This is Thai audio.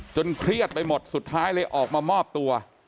เครียดไปหมดสุดท้ายเลยออกมามอบตัว